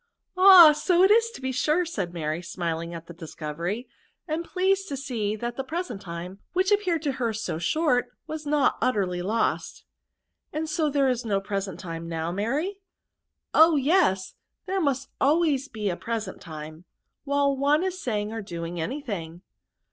Ah ! so it is, to be sure," said Mary, smil* ing at the discovery, and pleased to see that the present time, which appeared to her so short, was not utterly lost, <* And is there no present time now, Mary ?"*' Oh! yes: there must always be a pre sent time, while one is saying or doing any thing."